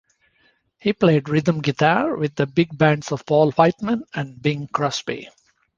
He played rhythm guitar with the big bands of Paul Whiteman and Bing Crosby.